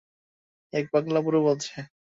এক পাগলা বুড়ো বলেছে।